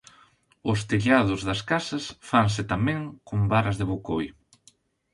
Os tellados das casas fanse tamén con varas de bocoi.